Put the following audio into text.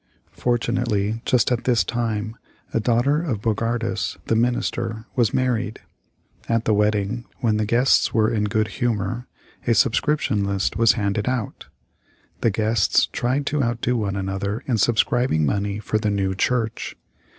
Fortunately, just at this time, a daughter of Bogardus, the minister, was married. At the wedding, when the guests were in good humor, a subscription list was handed out. The guests tried to outdo one another in subscribing money for the new church.